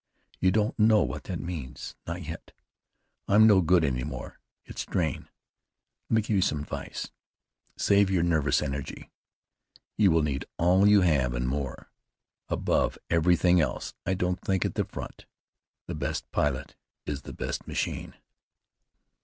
You don't know what that means, not yet. I'm no good any more. It's strain. Let me give you some advice. Save your nervous energy. You will need all you have and more. Above everything else, don't think at the front. The best pilot is the best machine."